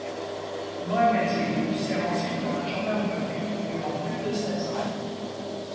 Mohamed Zeghouf sert ensuite dans la gendarmerie durant plus de seize ans.